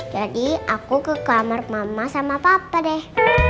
jadi aku ke kamar mama sama papa deh